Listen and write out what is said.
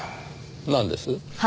なんです？